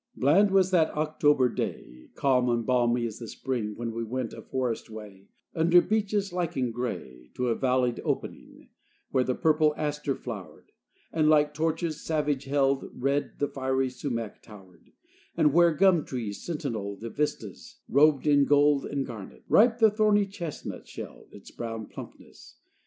XIII Bland was that October day, Calm and balmy as the spring, When we went a forest way, Under beeches, lichen gray, To a valleyed opening; Where the purple aster flowered, And, like torches, savage held, Red the fiery sumac towered; And, where gum trees sentineled Vistas, robed in gold and garnet, Ripe the thorny chestnut shelled Its brown plumpness.